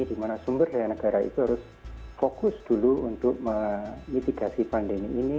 dimana sumber daya negara itu harus fokus dulu untuk mitigasi pandemi ini